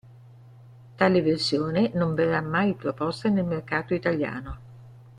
Tale versione non verrà mai proposta nel mercato italiano.